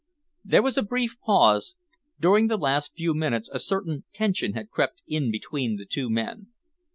There was a brief pause. During the last few minutes a certain tension had crept in between the two men.